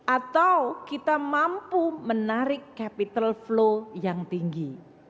atau kita mampu menarik capital flow yang tinggi